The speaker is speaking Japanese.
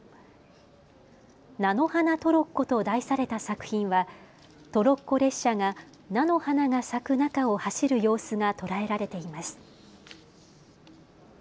菜の花トロッコと題された作品はトロッコ列車が菜の花が咲く中を走る様子が捉えられています。